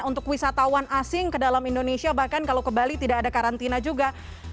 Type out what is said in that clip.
untuk wisatawan asing ke dalam indonesia bahkan kalau ke bali tidak ada karantina juga